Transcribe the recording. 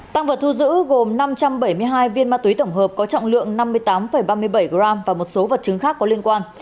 tăng vật thu giữ gồm năm trăm bảy mươi hai viên ma túy tổng hợp có trọng lượng năm mươi tám ba mươi bảy g và một số vật chứng khác có liên quan